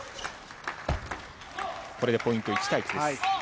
これでポイント１対１です。